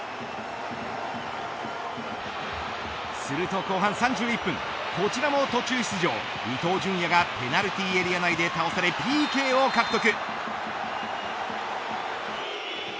すると後半３１分こちらも途中出場、伊東純也がペナルティーエリア内で倒されＰＫを獲得。